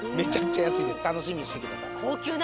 楽しみにしてください。